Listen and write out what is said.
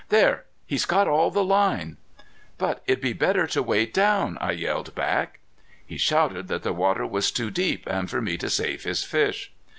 "There! He's got all the line." "But it'd be better to wade down," I yelled back. He shouted that the water was too deep and for me to save his fish.